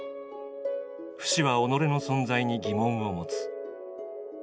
フシは己の存在に疑問を持つ。